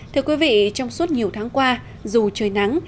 thưa quý vị trong suốt nhiều tháng qua dù trời nắng